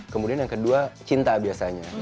kemudian yang kedua cinta biasanya